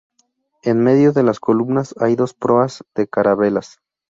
En medio de las columnas hay dos proas de carabelas.